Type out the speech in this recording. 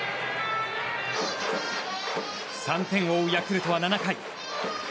３点を追うヤクルトは７回。